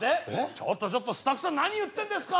ちょっとちょっとスタッフさん何言ってんですか！